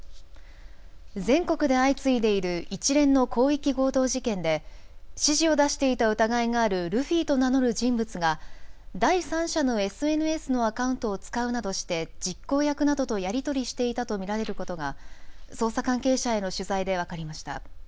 全国で相次いでいる一連の広域強盗事件で指示を出していた疑いがあるルフィと名乗る人物が第三者のＳＮＳのアカウントを使うなどして実行役などとやり取りしていたと見られることが捜査関係者への取材で分かりました。